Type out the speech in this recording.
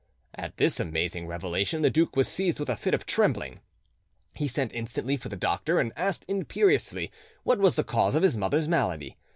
At this amazing revelation the duke was seized with a fit of trembling. He sent instantly for the doctor, and asked imperiously what was the cause of his mother's malady.